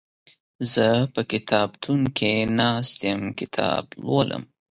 زه په کتابتون کې ناست يم کتاب لولم